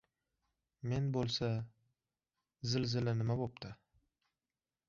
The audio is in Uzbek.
Men bo‘lsa... Zilzila nima bo‘pti!